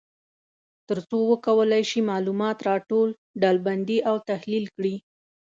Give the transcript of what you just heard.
تر څو وکولای شي معلومات را ټول، ډلبندي او تحلیل کړي.